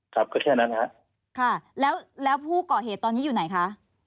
ครับก็แค่นั้นฮะค่ะแล้วแล้วผู้ก่อเหตุตอนนี้อยู่ไหนคะ